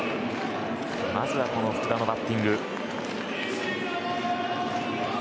まずは福田のバッティング。